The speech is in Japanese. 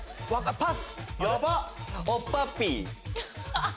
パス！